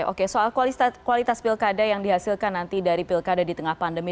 oke soal kualitas pilkada yang dihasilkan nanti dari pilkada di tengah pandemi